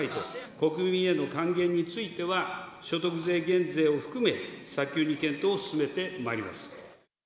国民への還元については、所得税減税を含め、早急に検討を進めてまいります。